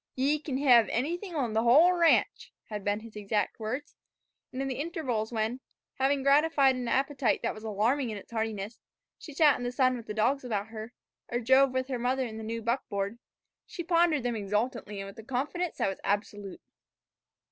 "Ye kin hev anything on th' whole ranch," had been his exact words; and in the intervals when, having gratified an appetite that was alarming in its heartiness, she sat in the sun with the dogs about her, or drove with her mother in the new buckboard, she pondered them exultantly and with a confidence that was absolute.